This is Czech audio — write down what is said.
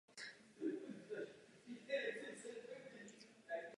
Matka mu zemřela při porodu a otec v jeho čtrnácti letech.